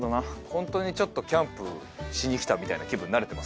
本当にちょっとキャンプしに来たみたいな気分になれてます。